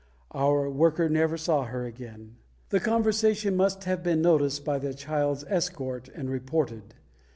Our worker never saw her again. The conversation must have been noticed by the child's escort, and reported.